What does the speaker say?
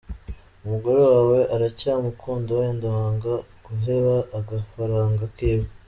Umugore wawe uracya mukunda wenda wanga guheba agafaranga kiwe.